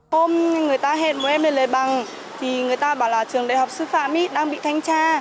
hôm người ta hẹn một em đến lời bằng thì người ta bảo là trường đại học sư phạm đang bị thanh tra